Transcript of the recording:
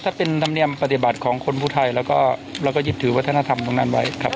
ถ้าเป็นธรรมเนียมปฏิบัติของคนผู้ไทยแล้วก็เราก็หยิบถือวัฒนธรรมตรงนั้นไว้ครับ